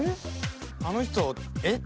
あの人えっ？